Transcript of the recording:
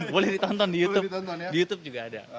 boleh ditonton di youtube di youtube juga ada